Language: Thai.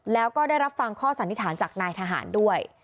แล้วก็ได้รับฟังข้อสันนิษฐานจากนายทหารด้วย